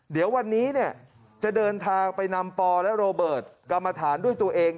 เดี๋ยววันนี้จะเดินทางไปนำปอและโรเบิร์ตกรรมฐานด้วยตัวเอง